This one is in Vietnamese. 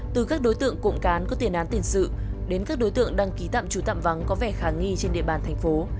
từ các đối tượng cộng cán có tiền án tiền sự đến các đối tượng đăng ký tạm trú tạm vắng có vẻ khả nghi trên địa bàn thành phố